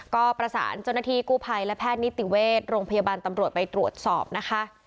ก็ประสานเจ้าหน้าที่กู้ภัยและแพทย์นิติเวชโรงพยาบาลตำรวจไปตรวจสอบนะคะ